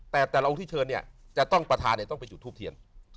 แต่แต่ละองค์ที่เชิญเนี่ยจะต้องประธานต้องไปจุดทูบเทียน